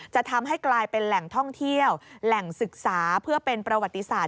จะทำให้กลายเป็นแหล่งท่องเที่ยวแหล่งศึกษาเพื่อเป็นประวัติศาสต